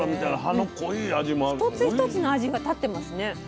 一つ一つの味が立ってますね。